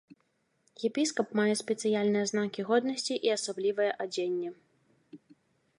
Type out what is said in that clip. Епіскап мае спецыяльныя знакі годнасці і асаблівае адзенне.